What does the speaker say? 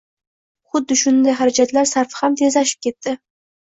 Xuddi shunday xarajatlar sarfi ham tezlashib ketdi.